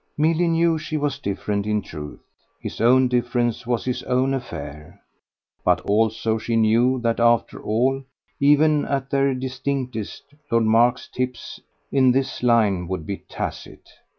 Milly knew SHE was different in truth his own difference was his own affair; but also she knew that after all, even at their distinctest, Lord Mark's "tips" in this line would be tacit.